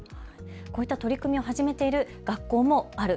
こういった取り組みを始めている学校もある、